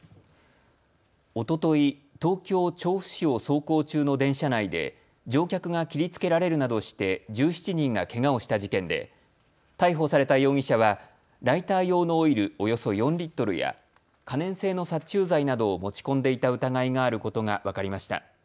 おととい、東京調布市を走行中の電車内で乗客が切りつけられるなどして１７人がけがをした事件で逮捕された容疑者はライター用のオイルおよそ４リットルや可燃性の殺虫剤などを持ち込んでいた疑いがあることが分かりました。